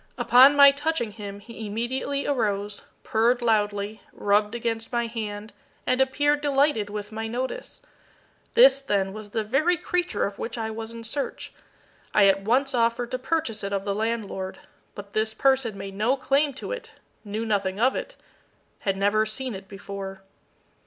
Upon my touching him he immediately arose, purred loudly, rubbed against my hand, and appeared delighted with my notice. This, then, was the very creature of which I was in search. I at once offered to purchase it of the landlord; but this person made no claim to it knew nothing of it had never seen it before.